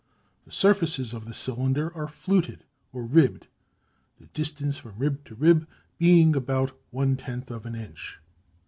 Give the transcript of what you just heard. The surfaces of the cylinders are fluted or ribbed, the distance from rib to rib being about one tenth of an inch.